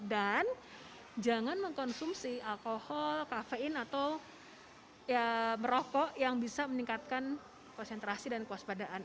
dan jangan mengkonsumsi alkohol kafein atau merokok yang bisa meningkatkan konsentrasi dan kuas padaan